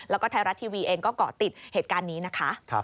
แล้วก็ไทยรัฐทีวีเองก็เกาะติดเหตุการณ์นี้นะคะ